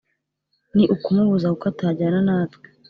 Ni ukumubuza kuko atajyana natwe